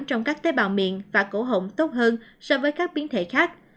trong các tế bào miền và cổ hộng tốt hơn so với các biến thể khác